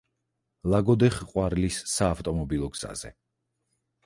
ლაგოდეხ–ყვარლის საავტომობილო გზაზე.